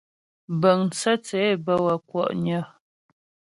Bəŋ tsə̂tsě bə́ wə́ kwɔ'nyə.